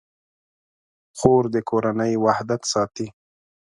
خور د کورنۍ وحدت ساتي.